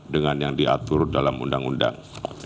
dengan yang diatur dalam undang undang